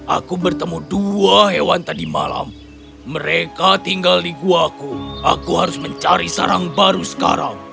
aku bertemu dua hewan tadi malam mereka tinggal di guaku aku harus mencari sarang baru sekarang